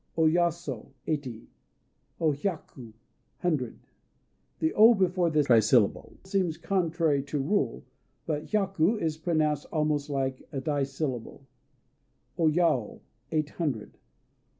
O Yaso "Eighty." O Hyaku "Hundred." The "O" before this trisyllable seems contrary to rule; but Hyaku is pronounced almost like a dissyllable. O Yao "Eight Hundred."